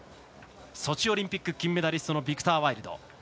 ソチオリンピック金メダリストのビクター・ワイルド。